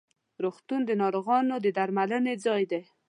روغتون د ناروغانو د درملنې ځای ده.